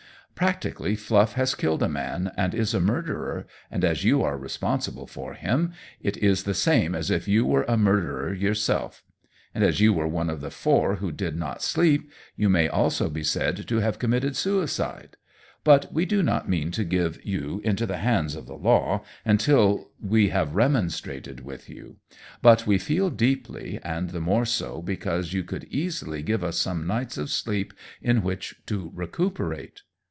Practically, Fluff has killed a man, and is a murderer, and as you are responsible for him, it is the same as if you were a murderer yourself; and as you were one of the four who did not sleep, you may also be said to have committed suicide. But we do not mean to give you into the hands of the law until we have remonstrated with you. But we feel deeply, and the more so because you could easily give us some nights of sleep in which to recuperate."